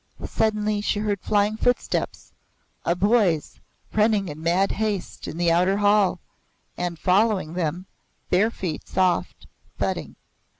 Suddenly she heard flying footsteps a boy's, running in mad haste in the outer hall, and, following them, bare feet, soft, thudding.